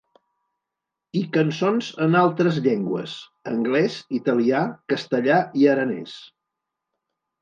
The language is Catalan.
I cançons en altres llengües: anglès, italià, castellà i aranès.